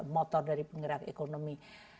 motor dari penggerak ekonomi